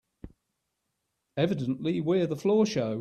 Evidently we're the floor show.